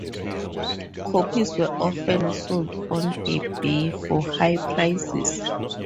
Copies were often sold on eBay for high prices.